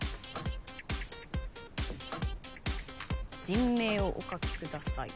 人名をお書きください。